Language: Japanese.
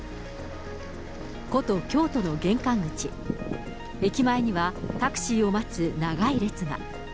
古都、京都の玄関口、駅前には、タクシーを待つ長い列が。